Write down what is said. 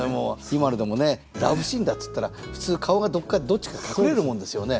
今のでもねラブシーンだっつったら普通顔がどっちか隠れるもんですよね。